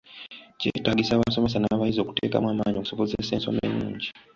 Kyetagisa abasomesa nabayizi okutekaamu amaanyi okusobozesa ensoma ennungi.